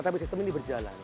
tapi sistem ini berjalan